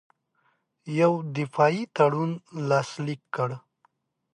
یو دفاعي تړون لاسلیک کړ.